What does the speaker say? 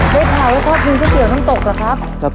ได้ข่าวว่าชอบชื่นก๋วยเตี๋ยวน้ำตกหรือครับ